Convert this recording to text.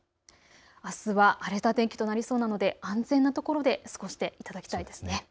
あすは荒れた天気となりそうなので安全なところで過ごしていただきたいです。